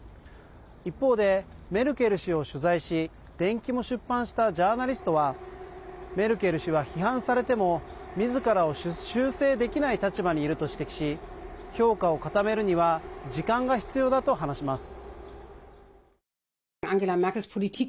一方で、メルケル氏を取材し伝記も出版したジャーナリストはメルケル氏は批判されてもみずからを修正できない立場にいると指摘し評価を固めるには時間が必要だと話します。